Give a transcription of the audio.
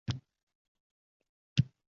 Qoralay desangiz – uni to’la qoralolmaysiz.